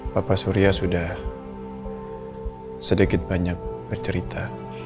bapak surya sudah sedikit banyak bercerita